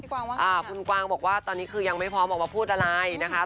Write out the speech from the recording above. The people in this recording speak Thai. คุณกวางบอกว่าตอนนี้คือยังไม่พร้อมออกมาพูดอะไรนะคะ